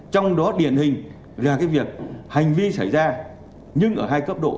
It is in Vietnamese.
trong đó điển hình là cái việc hành vi xảy ra nhưng ở hai cấp độ